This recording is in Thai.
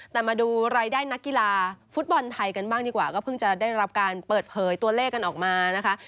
แต่มาดูรายได้นักกีฬาฟุตบอลไทยกันบ้างดีกว่าก็เพิ่งจะได้รับการเปิดเผยตัวเลขกันออกมานะคะ